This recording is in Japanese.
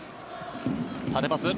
縦パス。